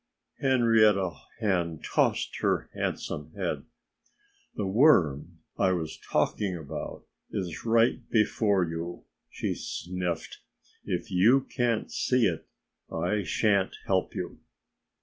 Henrietta Hen tossed her handsome head. "The worm I was talking about is right before you," she sniffed. "If you can't see it, I shan't help you."